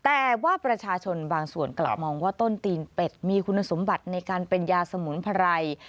แต่ว่าประชาชนบางส่วนกลับมองว่าต้นตีนเป็ดมีคุณสมบัติในการเป็นยาสมุนไพร